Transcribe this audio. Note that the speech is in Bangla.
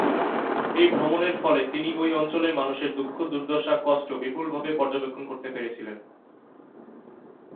এই ভ্রমণের ফলে তিনি ঐ অঞ্চলের মানুষের দুঃখ দুর্দশা কষ্ট বিপুল ভাবে পর্যবেক্ষন করতে পেরে ছিলেন।